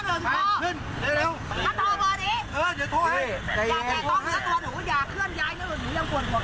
อย่าเคลื่อนย้ายยังโทรแบบหน่อย